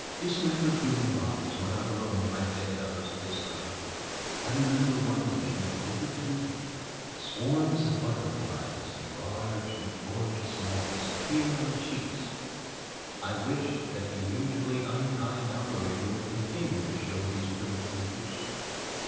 Dismembered human bodies were not alone my bedfellows at this time. I remember one vision of vivid beauty. Swarms of butterflies and large and gorgeous moths appeared on the sheets. I wished that the usually unkind operator would continue to show these pretty creatures.